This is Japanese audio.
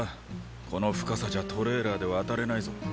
この深さじゃトレーラーで渡れないぞ。